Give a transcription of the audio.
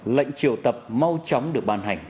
lệnh triệu tập mau chóng được bàn hành